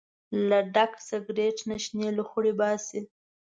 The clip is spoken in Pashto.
له ډک سګرټ نه شنې لوخړې باسي.